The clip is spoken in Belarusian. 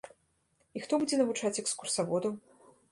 І хто будзе навучаць экскурсаводаў?